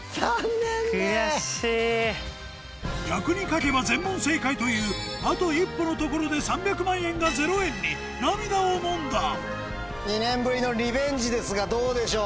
逆に書けば全問正解というあと一歩のところで３００万円が０円に涙をのんだどうでしょう？